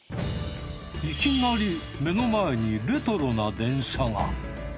いきなり目の前にレトロな電車が。